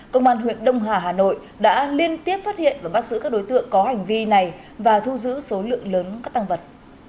công an huyện đông hà hà nội đã liên tiếp phát hiện và bắt giữ các đối tượng có hành vi này và thu giữ số lượng lớn các tăng vật